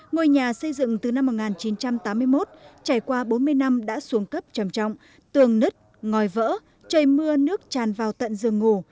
ngôi nhà xây dựng từ năm một nghìn chín trăm tám mươi một trải qua bốn mươi năm đã xuống cấp trầm trọng tường nứt ngòi vỡ trời mưa nước tràn vào tận giường ngủ